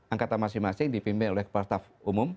angkatan masing masing dipimpin oleh kepala staf umum